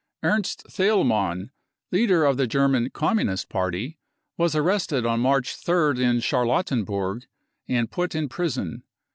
Ernst Thaelmann, leader of the German Communist Party, was arrested on March 3rd in Charlottenburg and put in prison.